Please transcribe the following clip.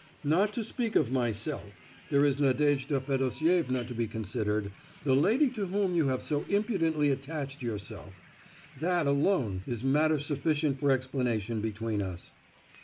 Not to speak of myself—there is Nadejda Fedosievna to be considered—the lady to whom you have so impudently attached yourself: that alone is matter sufficient for explanation between us."